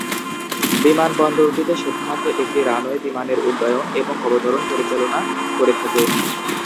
বিমানবন্দরটিতে শুধুমাত্র একটি রানওয়ে বিমানের উড্ডয়ন এবং অবতরণ পরিচালনা করে থাকে।